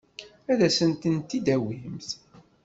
Ad asent-tent-id-tawimt?